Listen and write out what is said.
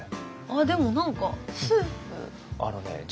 あでも何かあのね